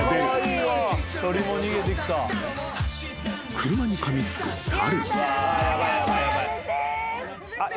［車にかみつく猿］